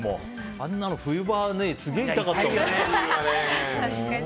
あんなの冬場すげえ痛かったよ。